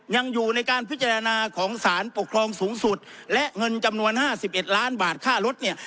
ยังอยู่ในการพิจารณาของสารปกครองสูงสุดและเงินจำนวน๕๑ล้านบาทค่ารถเนี่ย